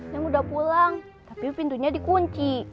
yang udah pulang tapi pintunya dikunci